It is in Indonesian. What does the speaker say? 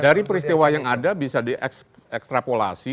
dari peristiwa yang ada bisa diekstrapolasi